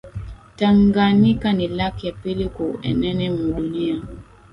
Tanganika ni lac ya pili ku unene mu dunia